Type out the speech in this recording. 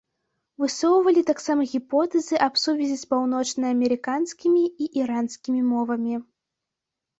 Высоўвалі таксама гіпотэзы аб сувязі з паўночнаамерыканскімі і іранскімі мовамі.